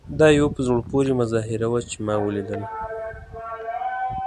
دا یوه په زړه پورې مظاهره وه چې ما ولیدله.